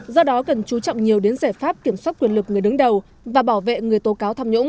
do đó cần chú trọng nhiều đến giải pháp kiểm soát quyền lực người đứng đầu và bảo vệ người tố cáo tham nhũng